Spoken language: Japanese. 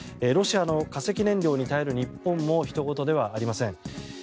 ロシアの化石燃料に頼る日本もひと事ではありません。